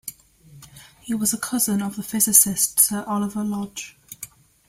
He was a cousin of the physicist Sir Oliver Lodge.